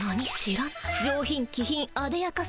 上品気品あでやかさ。